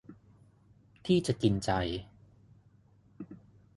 ที่จะกินใจ